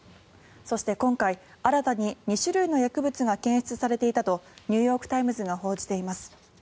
そして今回、新たに２種類の薬物が検出されていたとニューヨーク・タイムズが報じています。